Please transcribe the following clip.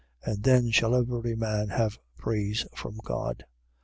And then shall every man have praise from God.